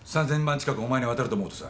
近くお前に渡ると思うとさ。